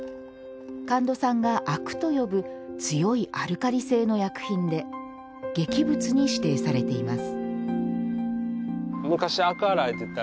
神門さんが、灰汁と呼ぶ強いアルカリ性の薬品で劇物に指定されています。